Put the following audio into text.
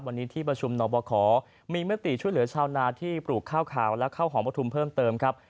วันนี้ที่ประชุมนบคมีมติช่วยเหลือชาวนาที่ปลูกข้าวขาวและข้าวหอมประทุมเพิ่มเติมครับ